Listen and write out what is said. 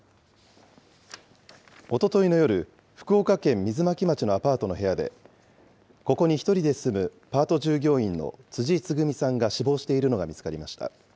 おとといの夜、福岡県水巻町のアパートの部屋で、ここに１人で住むパート従業員の辻つぐみさんが死亡しているのが見つかりました。